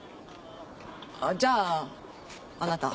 じゃああなた。